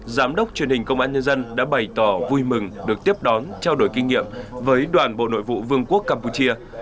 giám đốc truyền hình công an nhân dân đã bày tỏ vui mừng được tiếp đón trao đổi kinh nghiệm với đoàn bộ nội vụ vương quốc campuchia